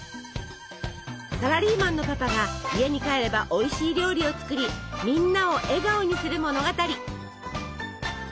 サラリーマンのパパが家に帰ればおいしい料理を作りみんなを笑顔にする物語。